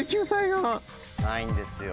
ないんですよ。